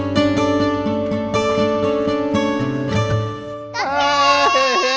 biar sama saya aja teh